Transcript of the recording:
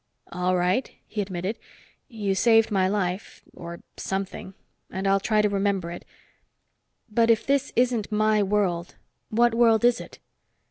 "All right," he admitted. "You saved my life or something. And I'll try to remember it. But if this isn't my world, what world is it?"